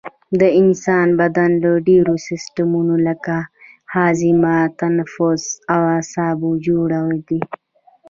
د انسان بدن له ډیرو سیستمونو لکه هاضمه تنفس او اعصابو جوړ دی